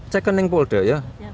cekan yang polda ya